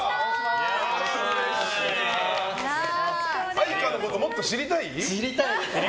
愛花のこともっと知りたい？